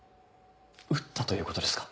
撃ったということですか？